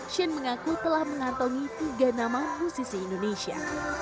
shane mengaku telah mengantongi tiga nama musisi indonesia